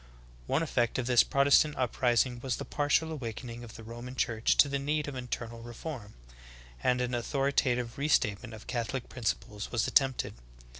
11. One effect of this Protestant uprising was the partial awakening of the Roman Church to the need of inLernal re form, and an authoritative re statement of Catholic princi ples was attempted.